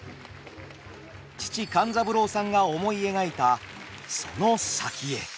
父勘三郎さんが思い描いたその先へ。